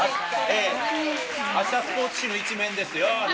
あしたスポーツ紙の１面ですよ。